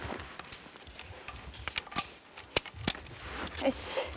よし！